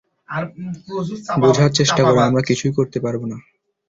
বুঝার চেষ্টা করো, আমরা কিছুই করতে পারব না।